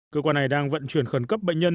cơ quan này đang vận chuyển khẩn cấp bệnh nhân